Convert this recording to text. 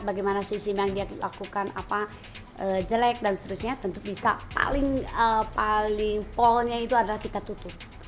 bagaimana sisi yang dilakukan apa jelek dan seterusnya tentu bisa paling paling polnya itu adalah kita tutup